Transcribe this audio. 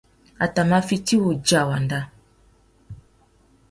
A tà mà fiti wudja wanda.